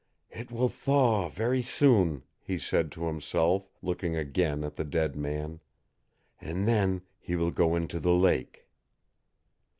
"It will thaw very soon," he said to himself, looking again at the dead man, "and then he will go into the lake."